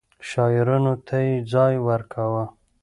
شاعرانو ته يې ځای ورکاوه.